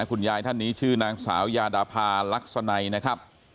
คุณยายท่านนี้ชื่อนางสาวยาดาพารักษณัยนะครับ